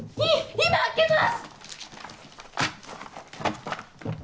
今開けます！